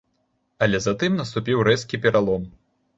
Але затым наступіў рэзкі пералом.